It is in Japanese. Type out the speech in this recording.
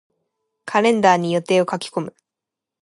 カレンダーに予定を書き込む。